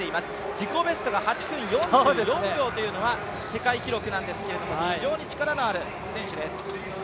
自己ベスト８分４４秒というのは世界記録なんですが、非常に力のある選手です。